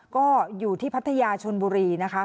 ก็อยู่ที่พัทยาชนบุรีนะคะ